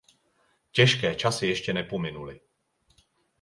Těžké časy ještě nepominuly.